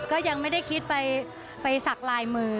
ก็ยังไม่ได้คิดไปสักลายมือ